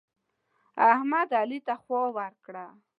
احمد؛ علي ته خوا ورکړه.